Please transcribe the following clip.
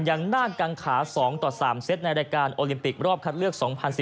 ยังน่ากังขา๒ต่อ๓เซตในรายการโอลิมปิกรอบคัดเลือก๒๐๑๙